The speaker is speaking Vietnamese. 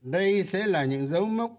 đây sẽ là những dấu mốc